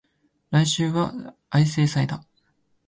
来週は相生祭だ